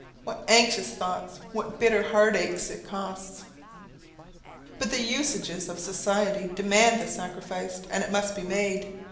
what anxious thoughts! what bitter heartaches it costs! But the usages of society demand the sacrifice, and it must be made.